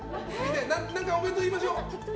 何かお弁当言いましょう。